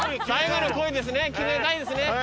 最後の恋ですね決めたいですね。